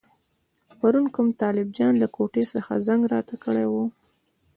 پرون کوم طالب جان له کوټې څخه زنګ راته کړی وو.